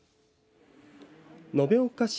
延岡市